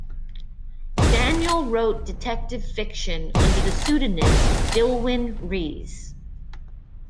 Daniel wrote detective fiction under the pseudonym Dilwyn Rees.